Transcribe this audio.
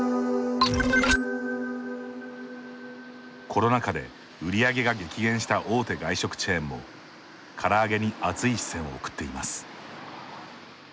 コロナ禍で売り上げが激減した大手外食チェーンもから揚げに熱い視線を送っています。